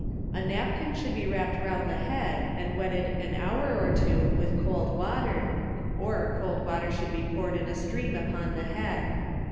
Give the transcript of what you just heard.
A napkin should be wrapped round the head, and wetted for an hour or two with cold water, or cold water should be poured in a stream upon the head.